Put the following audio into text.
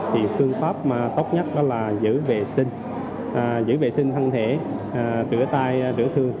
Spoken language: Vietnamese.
thì phương pháp tốt nhất đó là giữ vệ sinh giữ vệ sinh thân thể rửa tay tiểu thương